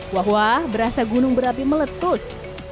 wah wah berasa gunung berapi meletus